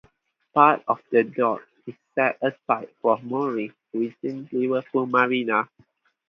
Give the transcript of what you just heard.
Part of the dock is set aside for moorings within Liverpool Marina.